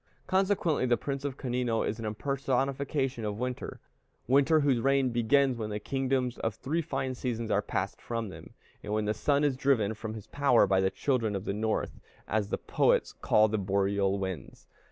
Consequently the Prince of Canino is an impersonification of winter; winter whose reign begins when the kingdoms of the three fine seasons are passed from them, and when the sun is driven from his power by the children of the North, as the poets call the boreal winds.